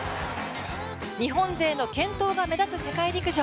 日本勢の健闘が目立つ世界陸上。